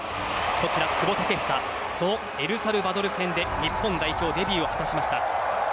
こちら、久保建英そのエルサルバドル戦で日本代表デビューを果たしました。